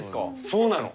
そうなの。